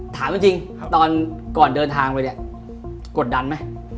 ถามจริงก่อนเดินทางไปเกิดดันไหม